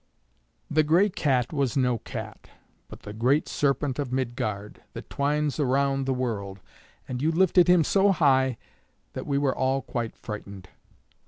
"The gray cat was no cat, but the great Serpent of Midgard, that twines round the world, and you lifted him so high that we were all quite frightened.